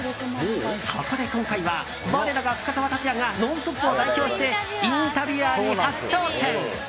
そこで今回は、我らが深澤辰哉が「ノンストップ！」を代表してインタビュアーに初挑戦。